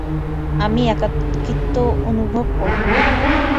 আমি একাকীত্ব অনুভব করলাম।